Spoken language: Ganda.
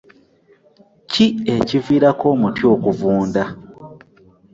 Ki ekivirako omuti okuvunda?